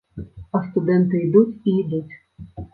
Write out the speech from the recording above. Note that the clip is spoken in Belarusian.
А студэнты ідуць і ідуць.